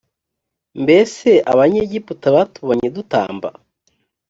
mbese abanyegiputa batubonye dutamba?